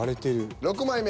６枚目。